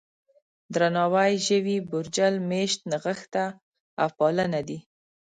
درناوی، ژوي، بورجل، مېشت، نغښته او پالنه دي.